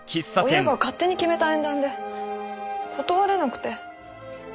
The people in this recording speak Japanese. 親が勝手に決めた縁談で断れなくて。